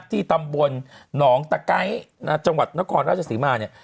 ที่ตำบลหนองตะไก้จังหวัดนครราชศรีมาเนี่ย